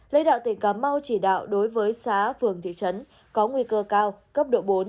lãnh đạo tỉnh cà mau chỉ đạo đối với xã phường thị trấn có nguy cơ cao cấp độ bốn